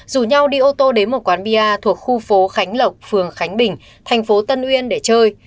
rủ nhau đi ô tô đến một quán bia thuộc khu phố khánh lộc phường khánh bình thành phố tân uyên để chơi